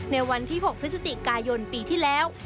ในวันที่๖พฤศจิกายนปีที่แล้ว